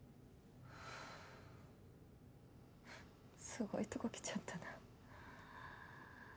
すごいとこ来ちゃったな